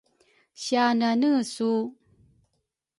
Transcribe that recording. Sia aneane su?